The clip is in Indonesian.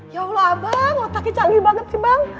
ya allah abang otaknya canggih banget sih bang